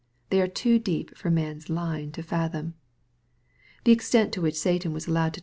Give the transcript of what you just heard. They are too deep for man's line to fathom. The extent to which Satan was MATTHEW, CHAP.